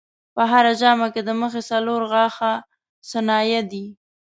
په هره ژامه کې د مخې څلور غاښه ثنایا دي.